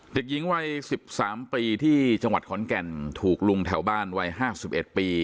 เด็กหญิงวัยสิบสามปีที่จังหวัดขอนแก่นถูกลุงแถวบ้านวัยห้าสิบเอ็ดปี